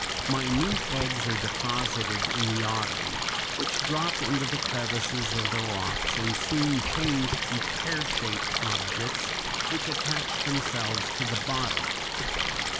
Minute eggs are deposited in the autumn, which drop into the crevices of the rocks and soon change to pear shaped objects which attach themselves to the bottom.